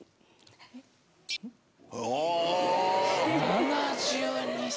７２歳。